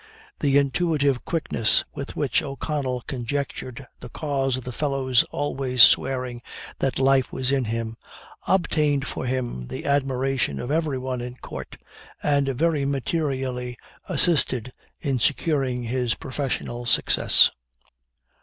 The intuitive quickness with which O'Connell conjectured the cause of the fellow's always swearing that "life was in him," obtained for him the admiration of every one in Court, and very materially assisted in securing his professional success.